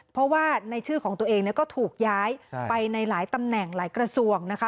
เพราะว่าในชื่อของตัวเองเนี่ยก็ถูกย้ายไปในหลายตำแหน่งหลายกระทรวงนะคะ